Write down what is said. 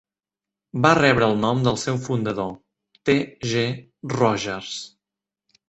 Va rebre el nom del seu fundador, T. G. Rogers.